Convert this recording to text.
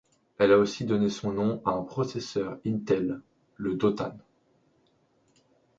Elle a aussi donné son nom à un processeur Intel, le Dothan.